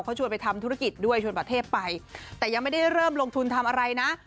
เขาชวนไปทำธุรกิจด้วยชวนประเทศไปแต่ยังไม่ได้เริ่มลงทุนทำอะไรนะ